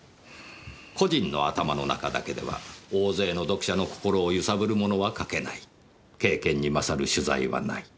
「個人の頭の中だけでは大勢の読者の心を揺さぶるものは書けない」「経験に勝る取材はない」